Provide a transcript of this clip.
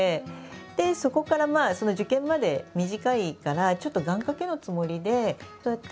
でそこから受験まで短いからちょっと願かけのつもりで。